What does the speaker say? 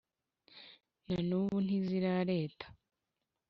na n’ubu ntizirareta